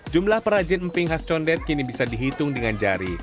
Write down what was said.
jumlah perajin emping khas condet kini bisa dihitung dengan jari